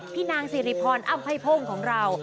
นางสิริพรอ้ำไพโพ่งของเรา